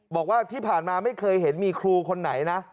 บอกว่าที่ผ่านมาไม่เคยเห็นมีครูคนไหนนะ